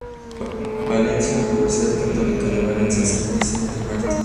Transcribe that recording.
Valencia: Universidad Católica de Valencia San Vicente Mártir.